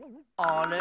あれ？